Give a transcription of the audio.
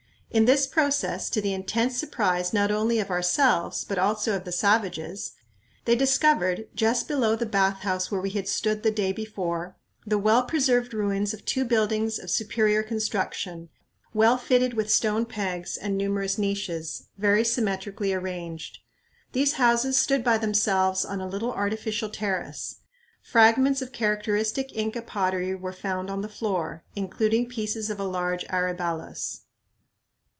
In this process, to the intense surprise not only of ourselves, but also of the savages, they discovered, just below the "bathhouse" where we had stood the day before, the well preserved ruins of two buildings of superior construction, well fitted with stone pegs and numerous niches, very symmetrically arranged. These houses stood by themselves on a little artificial terrace. Fragments of characteristic Inca pottery were found on the floor, including pieces of a large aryballus.